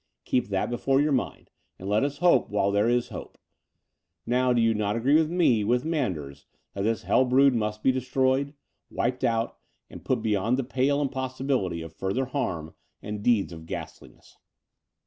Keep that before your mind : and let us hope while there is hope. Now do you not agree with me, with Manders, that this hell brood must be destroyed, wiped out, and put beyond the pale and possibility of further harm and deeds of ghastliness